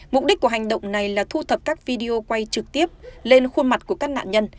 mục đích của hành động này là thu thập các video quay trực tiếp lên khuôn mặt của các nạn nhân